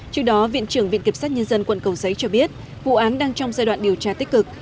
trước đó viện trưởng viện kiểm sát nhân dân quận cầu giấy cho biết vụ án đang trong giai đoạn điều tra tích cực